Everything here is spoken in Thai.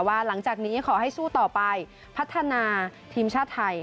หลังจากนี้ขอให้สู้ต่อไปพัฒนาทีมชาติไทย